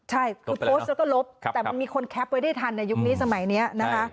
ใช่คือโพสต์แล้วก็ลบแต่มันมีคนแคปไว้ได้ทันในยุคนี้สมัยนี้นะคะ